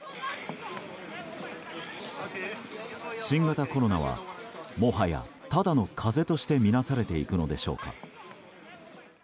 新型コロナはもはやただの風邪としてみなされていくのでしょうか。